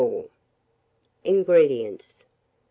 INGREDIENTS.